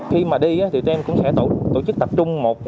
khi mà đi thì tụi em cũng sẽ tổ chức tập trung một